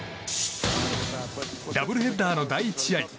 ダブルヘッダーの第１試合。